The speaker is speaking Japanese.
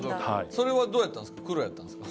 それはどうやったんすか？